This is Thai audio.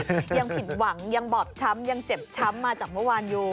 ยังผิดหวังยังบอบช้ำยังเจ็บช้ำมาจากเมื่อวานอยู่